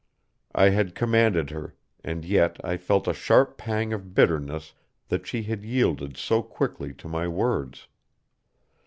I had commanded her, and yet I felt a sharp pang of bitterness that she had yielded so quickly to my words.